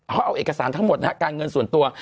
เขาเอาเอกสารทั้งหมดนะฮะการเงินส่วนตัว